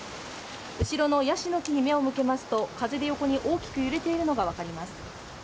後ろのやしの木に目を向けますと風で、横に大きく揺れているのが分かります。